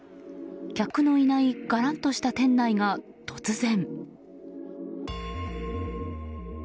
客のいないがらんとした店内が突然。